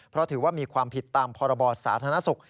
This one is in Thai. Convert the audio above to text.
เพราะถือว่ามีความผิดตามพรบสาธารณสุข